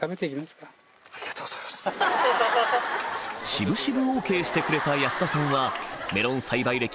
渋々ＯＫしてくれた安田さんはメロン栽培歴